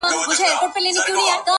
ټولي ورځي یې په ډنډ کي تېرولې -